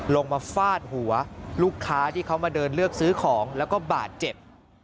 มาฟาดหัวลูกค้าที่เขามาเดินเลือกซื้อของแล้วก็บาดเจ็บ